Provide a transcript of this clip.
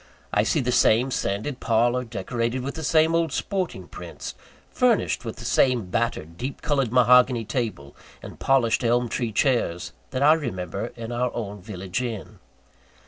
I see the same sanded parlour, decorated with the same old sporting prints, furnished with the same battered, deep coloured mahogany table, and polished elm tree chairs, that I remember in our own village inn.